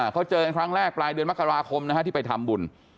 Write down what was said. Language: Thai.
เขาเจอกันครั้งแรกปลายเดือนมกราคมนะฮะที่ไปทำบุญ